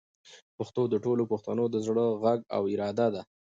پښتو د ټولو پښتنو د زړه غږ او اراده ده.